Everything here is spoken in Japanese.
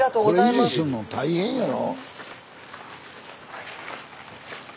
これ維持すんの大変やろ。